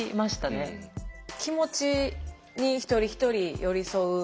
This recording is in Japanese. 気持ちに一人一人寄り添う。